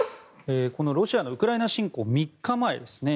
ロシアのウクライナ侵攻３日前ですね。